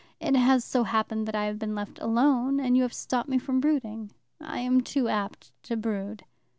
It has so happened that I have been left alone, and you have stopped me from brooding. I am too apt to brood."